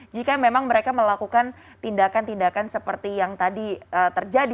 jika memang mereka melakukan tindakan tindakan seperti yang tadi terjadi